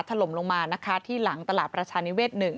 ถล่มลงมานะคะที่หลังตลาดประชานิเวศ๑